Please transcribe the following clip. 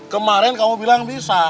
kemarin kamu bilang bisa